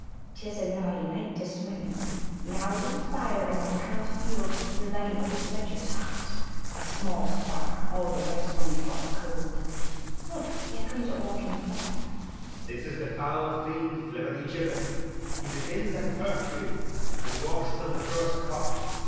'Tis a naughty night to swim in. Now a little fire in a wild field were like an old lecher's heart a small spark, all the rest on's body cold. Look, here comes a walking fire. Enter Gloucester with a torch. Edg. This is the foul fiend Flibbertigibbet. He begins at curfew, and walks till the first cock.